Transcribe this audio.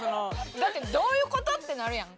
だって「どういう事？」ってなるやん。